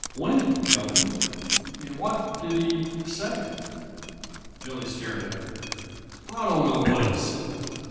"When, Billy? And what did he say?" Billy stared at her. "I don't know what he said!